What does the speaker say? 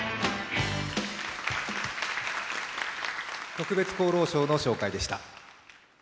特別功労賞の紹介でした。